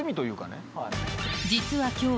実は今日